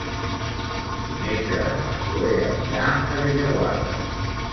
Dimecres na Chloé anirà a Bellaguarda.